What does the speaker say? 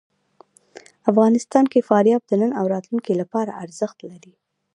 افغانستان کې فاریاب د نن او راتلونکي لپاره ارزښت لري.